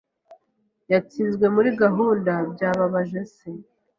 Yatsinzwe muri gahunda, byababaje se.